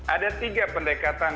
ada tiga pendekatan